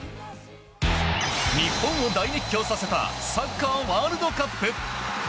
日本を大熱狂させたサッカーワールドカップ。